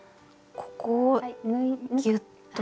ここをギュッと。